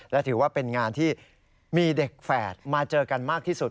และถือว่าเป็นงานที่มีเด็กแฝดมาเจอกันมากที่สุด